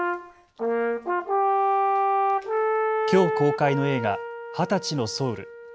きょう公開の映画、２０歳のソウル。